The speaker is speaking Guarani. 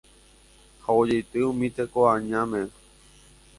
ha ojeity umi tekoañáme